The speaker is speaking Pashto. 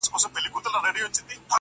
• د سړک پر غاړه تور څادر رپېږي -